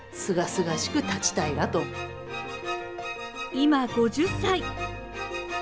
今５０歳。